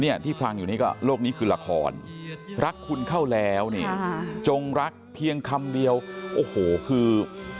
ที่ฟังอยู่นี่ก็โลกนี้คือละครรักคุณเข้าแล้วเนี่ยจงรักเพียงคำเดียวโอ้โหคือ